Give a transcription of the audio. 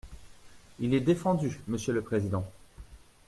Il est défendu, monsieur le président.